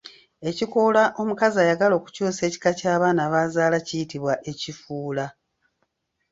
Ekikoola omukazi ayagala okukyusa ekika ky’abaana b’azaala kiyitibwa Ekifuula.